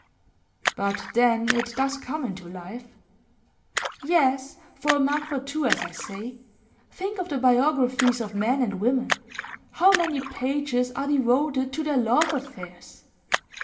'But then it does come into life.' 'Yes, for a month or two, as I say. Think of the biographies of men and women; how many pages are devoted to their love affairs?